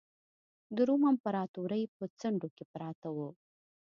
د روم امپراتورۍ په څنډو کې پراته وو.